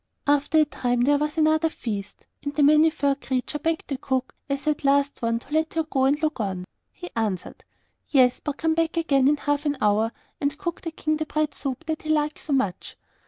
After a time there was another feast, and the Many furred Creature begged the cook as at the last one to let her go and look on. He answered, 'Yes, but come back again in half an hour and cook the King the bread soup that he likes so much.